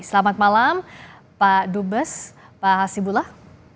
selamat malam pak dubes pak hasibullah